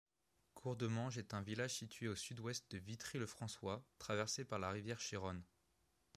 Courdemanges est un village situé au sud-ouest de Vitry-le-François, traversé par la rivière Chéronne.